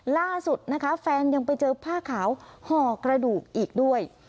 ล่าสุดนะคะแฟนยังไปเจอผ้าขาวห่อกระดูกอีกด้วย